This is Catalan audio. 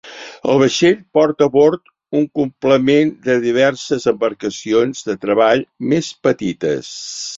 El vaixell porta a bord un complement de diverses embarcacions de treball més petites.